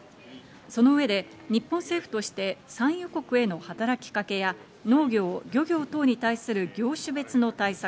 その上で日本政府として産油国への働きかけや農業、漁業等に対する業種別の対策。